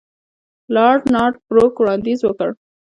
لارډ نارت بروک وړاندیز وکړ.